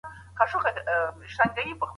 وړانګې د وران سوو تورو په لوستلو کې بریالۍ دي.